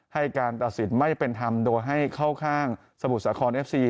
ให้การตัดสินไม่เป็นธรรมโดยให้เข้าข้างสมุทรสาครเอฟซี